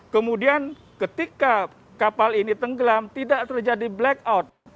kemudian ketika kapal ini tenggelam tidak terjadi blackout